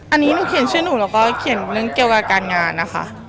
อันนี้หนูเขียนชื่อหนูแล้วก็เขียนเรื่องเกี่ยวกับการงานนะคะ